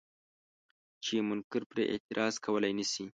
چې منکر پرې اعتراض کولی نه شي.